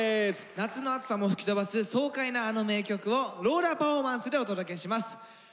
夏の暑さも吹き飛ばす爽快なあの名曲をローラーパフォーマンスでお届けします。ＨｉＨｉＪｅｔｓ